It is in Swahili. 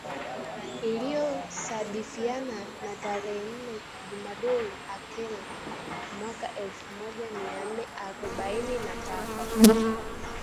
ILIYO SADIFIANA NA TAREHE NNE JUMADUL AKHIR MWAKA ELFU MOJA MIA NNE AROBAINI NA TATU